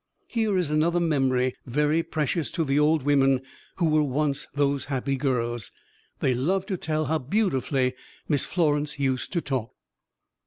Here is another memory very precious to the old women who were once those happy girls. They love to tell "how beautifully Miss Florence used to talk."